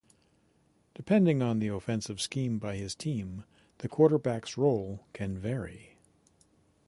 Depending on the offensive scheme by his team, the quarterback's role can vary.